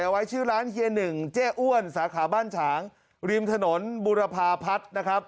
เอาไว้ชื่อร้านเฮีย๑เจ้อ้วนสาขาบ้านฉางริมถนนบุราภาพัฒน์